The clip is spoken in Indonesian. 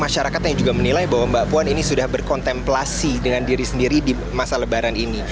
masyarakat yang juga menilai bahwa mbak puan ini sudah berkontemplasi dengan diri sendiri di masa lebaran ini